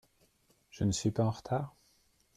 Je ne suis pas en retard ?